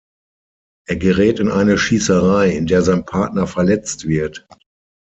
Er gerät in eine Schießerei, in der sein Partner verletzt wird.